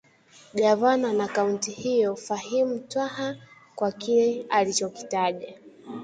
gavana wa kaunti hiyo Fahim Twaha kwa kile alichokitaja